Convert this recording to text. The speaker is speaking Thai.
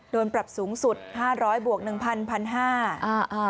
โดนปรับสูงสุด๕๐๐บวก๑๐๐๐บาท๑๕๐๐บาท